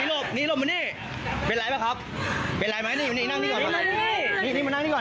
หลบนี่หลบมานี่เป็นไรป่ะครับเป็นไรไหมนี่นั่งนี่ก่อนนี่นี่มานั่งนี่ก่อน